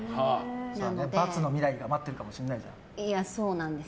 バツの未来が待ってるかもしれないじゃん。